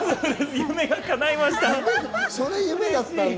夢が叶いました。